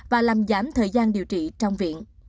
và làm giảm thời gian điều trị trong viện